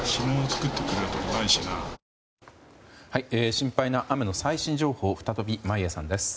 心配な雨の最新情報を再び眞家さんです。